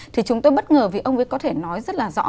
thì chúng tôi bất ngờ vì ông ấy có thể nói rất là rõ